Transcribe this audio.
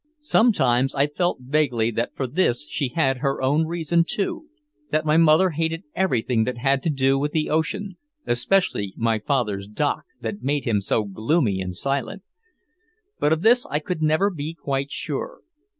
Sometimes I felt vaguely that for this she had her own reason, too that my mother hated everything that had to do with the ocean, especially my father's dock that made him so gloomy and silent. But of this I could never be quite sure.